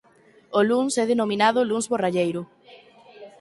O luns é denominado luns borralleiro.